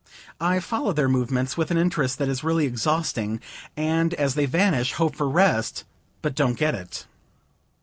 I follow their movements, with an interest that is really exhausting, and, as they vanish, hope for rest, but don't get it.